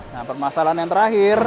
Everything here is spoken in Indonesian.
nah permasalahan yang terakhir